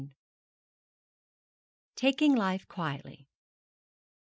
TAKING LIFE QUIETLY.